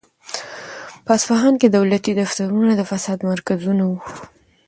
په اصفهان کې دولتي دفترونه د فساد مرکزونه وو.